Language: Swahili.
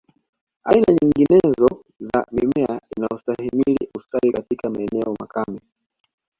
Aina nyinginezo za mimea inayostahimili kustawi katika maeneo makame